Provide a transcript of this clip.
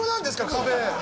壁！